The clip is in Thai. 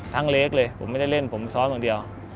ทั้งเลคเลยผมไม่ได้เล่นผมซ้อนบางเดียว